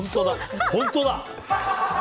本当だ！